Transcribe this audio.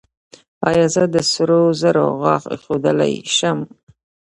ایا زه د سرو زرو غاښ ایښودلی شم؟